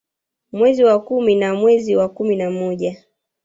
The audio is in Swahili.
Mwezi wa kumi na wa mwezi wa kumi na moja